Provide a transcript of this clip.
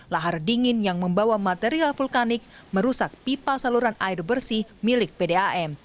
lahar dingin yang membawa material vulkanik merusak pipa saluran air bersih milik pdam